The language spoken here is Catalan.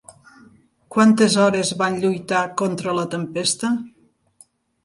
Quantes hores van lluitar contra la tempesta?